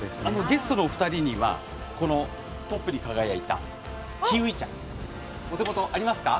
ゲストのお二人にはトップに輝いたキウイ茶が、お手元にありますか。